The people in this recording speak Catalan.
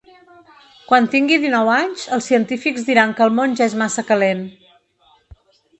Quan tingui dinou anys els científics diran que el món ja és massa calent.